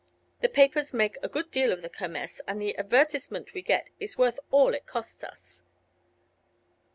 The papers make a good deal of the Kermess, and the advertisement we get is worth all it costs us."